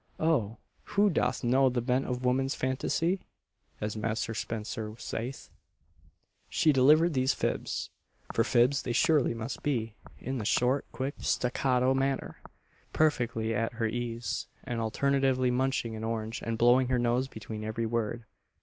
("Oh! who doth know the bent of woman's phantasy?" as Master Spenser saith.) She delivered these fibs for fibs they surely must be in the short, quick, staccato manner, perfectly at her ease, and alternately munching an orange and blowing her nose between every word.